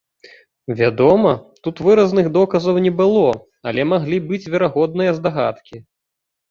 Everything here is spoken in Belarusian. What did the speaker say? Вядома, тут выразных доказаў не было, але маглі быць верагодныя здагадкі.